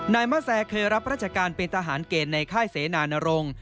นายมะแซเคยรับราชการเป็นทหารเกณฑ์ในค่ายเสนานรงค์